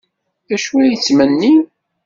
D acu ay ttmennin?